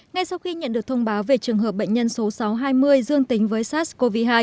ngay sau khi nhận được thông báo về trường hợp bệnh nhân số sáu trăm hai mươi dương tính với sars cov hai